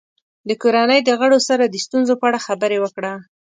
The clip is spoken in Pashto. د کورنۍ د غړو سره د ستونزو په اړه خبرې وکړه.